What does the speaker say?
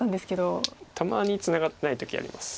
たまにツナがってない時あります。